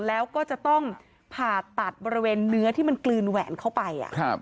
แล้วก็จะต้องผ่าตัดบริเวณเนื้อที่มันกลืนแหวนเข้าไป